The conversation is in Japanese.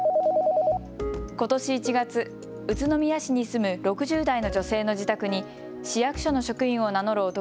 ことし１月、宇都宮市に住む６０代の女性の自宅に市役所の職員を名乗る